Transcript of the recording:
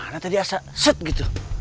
nah tadi as italia stake gitu